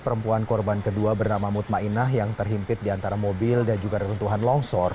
perempuan korban kedua bernama mutmainah yang terhimpit di antara mobil dan juga reruntuhan longsor